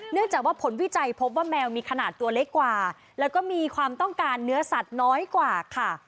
จากว่าผลวิจัยพบว่าแมวมีขนาดตัวเล็กกว่าแล้วก็มีความต้องการเนื้อสัตว์น้อยกว่าค่ะ